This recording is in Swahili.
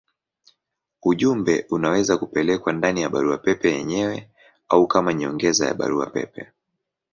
Ujumbe unaweza kupelekwa ndani ya barua pepe yenyewe au kama nyongeza ya barua pepe.